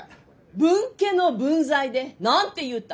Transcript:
分家の分際で何て言うた？